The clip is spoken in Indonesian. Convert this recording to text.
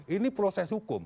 ini proses hukum